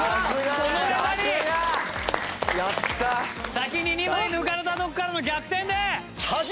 先に２枚抜かれたところからの逆転で。